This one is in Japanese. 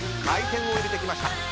回転を入れてきました。